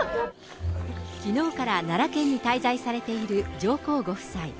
きのうから奈良県に滞在されている上皇ご夫妻。